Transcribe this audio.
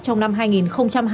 trong năm hai nghìn hai mươi hai